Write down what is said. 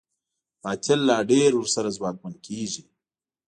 باطل لا ډېر ورسره ځواکمن کېږي.